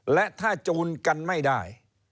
และถ้าจูนกันไม่ได้